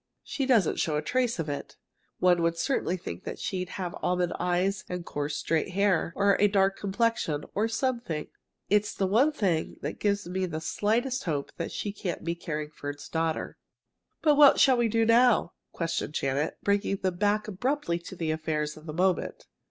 She doesn't show a trace of it. One would certainly think she'd have almond eyes and coarse, straight hair, or a dark complexion, or something! It's the one thing that gives me the slightest hope that she can't be Carringford's daughter." "But what shall we do now?" questioned Janet, bringing them back abruptly to the affairs of the moment.